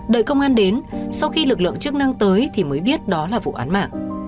đợi công an đến sau khi lực lượng chức năng tới thì mới biết đó là vụ án mạng